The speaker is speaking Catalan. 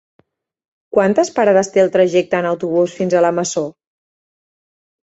Quantes parades té el trajecte en autobús fins a la Masó?